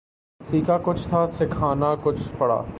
سیکھا کچھ تھا سکھانا کچھ پڑا